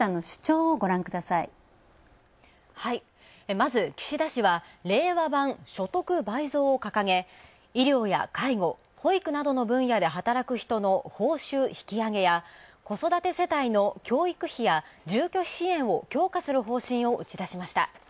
まず、岸田氏は令和版所得倍増を掲げ医療や介護、保育などの分野で働く人の報酬、引き上げや子育て世帯の教育費や住居費支援を強化する方針を打ち出しました。